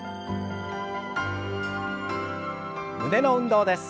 胸の運動です。